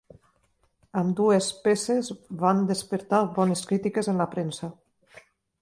Ambdues peces van despertar bones crítiques en la premsa.